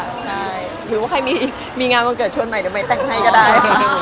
ใช่หรือว่าใครมีงานวันเกิดชวนใหม่เดี๋ยวใหม่แต่งให้ก็ได้